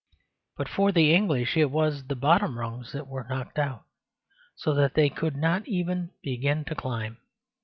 But for the English it was the bottom rungs that were knocked out, so that they could not even begin to climb.